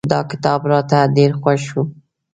دا کتاب راته ډېر خوښ شو.